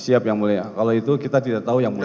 siap yang mulia kalau itu kita tidak tahu yang mulia